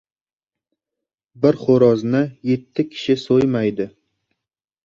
• Bir xo‘rozni yetti kishi so‘ymaydi.